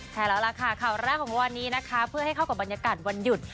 ใช่แล้วล่ะค่ะข่าวแรกของวันนี้นะคะเพื่อให้เข้ากับบรรยากาศวันหยุด